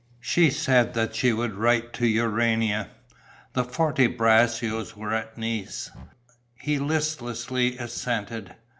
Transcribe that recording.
She said that she would write to Urania: the Forte Braccios were at Nice. He listlessly assented.